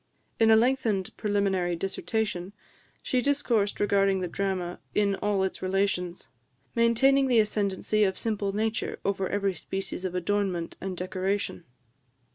In a lengthened preliminary dissertation, she discoursed regarding the drama in all its relations, maintaining the ascendency of simple nature over every species of adornment and decoration.